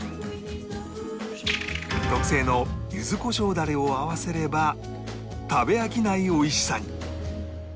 特製の柚子胡椒ダレを合わせれば食べ飽きないおいしさに